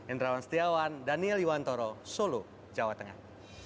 indrawan setiawan daniel yuwantoro solo jawa tengah